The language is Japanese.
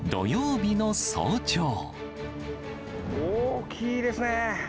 大きいですね。